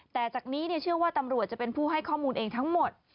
แต่จากนี้เชื่อว่าตำรวจจะเป็นผู้ให้ข้อมูลเองทั้งหมด